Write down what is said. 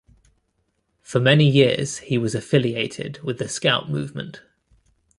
For many years he was affiliated with the Scout Movement.